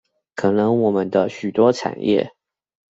可能我們的許多產業